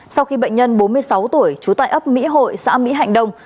sau khi bệnh nhân bốn mươi sáu tuổi trú tại ấp mỹ hội xã mỹ hạnh đông